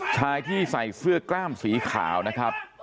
ชายที่ใส่เสื้อกล้ามสีขาวนะครับ